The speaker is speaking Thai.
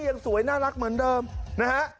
ยังสวยน่ารักเหมือนเดิมนะฮะ